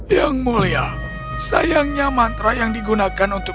yang mulia sayangnya mantra yang digunakan untuk